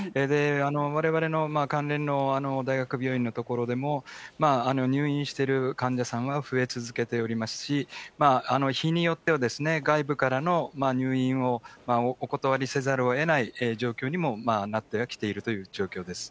われわれの関連の大学病院の所でも、入院している患者さんは増え続けておりますし、日によっては、外部からの入院をお断りせざるをえない状況になってきているという状況です。